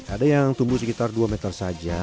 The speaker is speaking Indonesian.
ada yang tumbuh sekitar dua meter saja